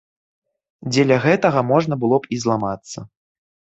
Дзеля гэтага можна было б і зламацца.